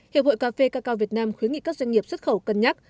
hiệp hội cà phê cacao việt nam khuyến nghị các doanh nghiệp xuất khẩu cân nhắc